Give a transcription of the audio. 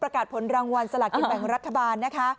รางวัลสละกินแปลงรัฐบาลนะคะ